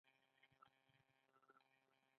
آیا په خوست کې کرومایټ شته؟